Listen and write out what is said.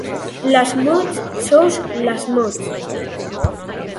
Les mots sous les mots.